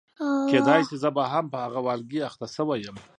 کېدای شي زه به هم په هغه والګي اخته شوې یم.